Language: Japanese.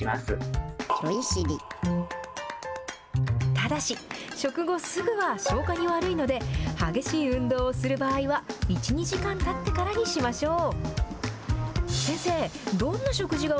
ただし、食後すぐは消化に悪いので、激しい運動をする場合は、１、２時間たってからにしましょう。